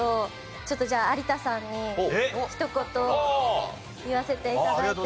ちょっとじゃあ有田さんにひと言言わせて頂いて。